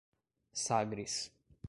Sagres